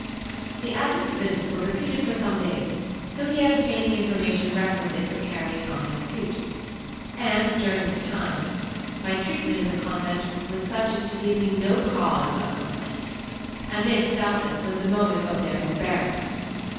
The advocate's visits were repeated for some days, till he had obtained the information requisite for carrying on my suit; and during this time, my treatment in the convent was such as to give me no cause of complaint; and this doubtless was the motive of their forbearance.